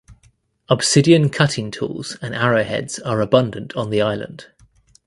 Obsidian cutting tools and arrowheads are abundant on the island.